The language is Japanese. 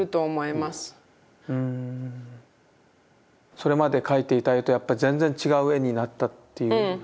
それまで描いていた絵とやっぱ全然違う絵になったといううん。